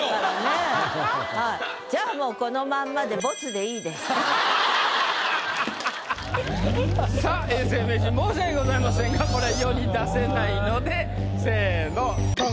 じゃあもうこのまんまでさあ永世名人申し訳ございませんがこれ世に出せないのでせぇのドン！